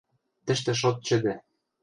Тӹштӹ шот чӹдӹ.